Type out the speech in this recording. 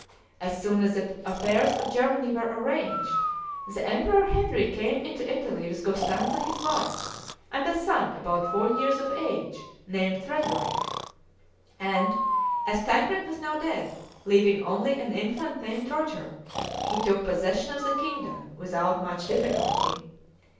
As soon as the affairs of Germany were arranged, the Emperor Henry came into Italy with Gostanza his wife, and a son about four years of age named Frederick; and, as Tancred was now dead, leaving only an infant named Roger, he took possession of the kingdom without much difficulty.